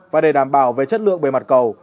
và để đảm bảo về chất lượng bề mặt cầu